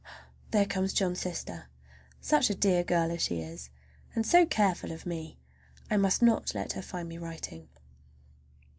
There comes John's sister. Such a dear girl as she is, and so careful of me! I must not let her find me writing.